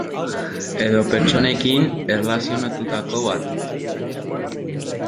edo pertsonekin erlazionatutako bat